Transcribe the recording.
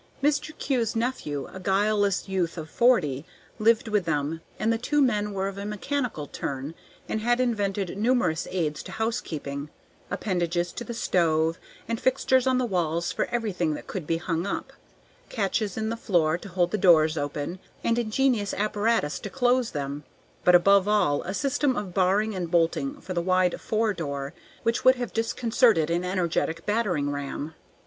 Mr. Kew's nephew, a guileless youth of forty, lived with them, and the two men were of a mechanical turn and had invented numerous aids to housekeeping, appendages to the stove, and fixtures on the walls for everything that could be hung up; catches in the floor to hold the doors open, and ingenious apparatus to close them; but, above all, a system of barring and bolting for the wide "fore door," which would have disconcerted an energetic battering ram.